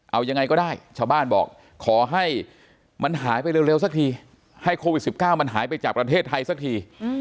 เอายังไงก็ได้ชาวบ้านบอกขอให้มันหายไปเร็วสักทีให้โควิด๑๙มันหายไปจากประเทศไทยสักที